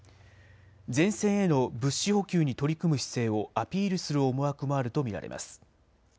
前線への物資補給に取り組む姿勢をアピールする思惑もあると見られます。